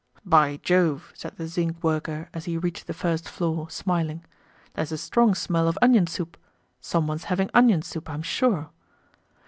"By Jove!" said the zinc worker as he reached the first floor, smiling, "there's a strong smell of onion soup. Someone's having onion soup, I'm sure."